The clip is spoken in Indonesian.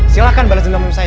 silahkan beras dendam sama saya